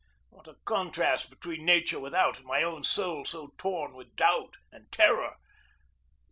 Ah, what a contrast between nature without and my own soul so torn with doubt and terror!